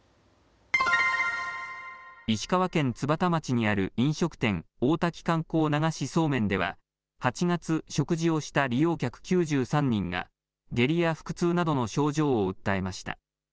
石川県津幡町にある飲食店、大滝観光流しそうめんでは８月、食事をした利用客９３人が下痢や腹痛などの症状を訴えました。